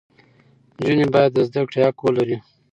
نجونې باید د زده کړې حق ولري.